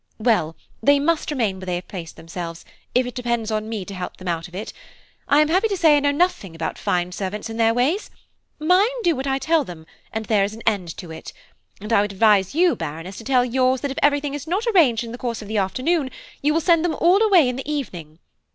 "Well, they must remain where they have placed themselves, if it depends on me to help them out of it. I am happy to say I know nothing about fine servants and their ways. Mine do what I tell them, and there is an end of it; and I would advise you, Baroness, to tell yours that if everything is not arranged in the course of the afternoon you will send them all away in the evening.